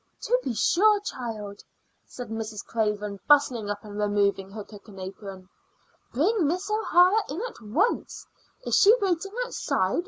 "To be sure, child," said Mrs. Craven, bustling up and removing her cooking apron. "Bring Miss O'Hara in at once. Is she waiting outside?